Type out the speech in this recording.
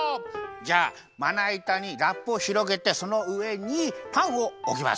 じゃあまないたにラップをひろげてそのうえにパンをおきます。